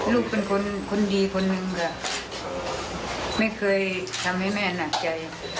ลูกเป็นคนคนดีคนหนึ่งค่ะไม่เคยทำให้แม่หนักใจ